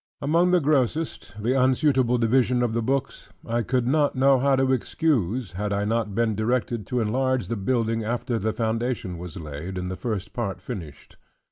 Among the grossest, the unsuitable division of the books, I could not know how to excuse, had I not been directed to enlarge the building after the foundation was laid, and the first part finished.